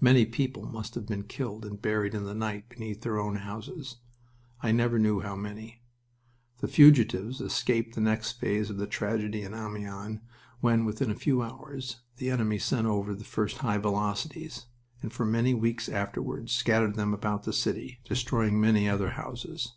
Many people must have been killed and buried in the night beneath their own houses I never knew how many. The fugitives escaped the next phase of the tragedy in Amiens when, within a few hours, the enemy sent over the first high velocities, and for many weeks afterward scattered them about the city, destroying many other houses.